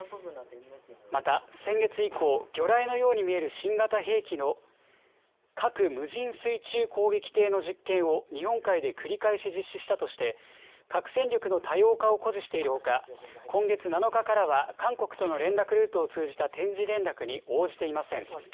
また、先月以降、魚雷のように見える新型兵器の核無人水中攻撃艇の実験を、日本海で繰り返し実施したとして、核戦力の多様化を誇示しているほか、今月７日からは、韓国との連絡ルートを通じた定時連絡に応じていません。